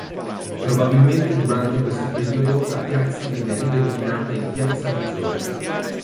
Probabilmente durante questo periodo la piazza viene ridenominata in "piazza Maggiore".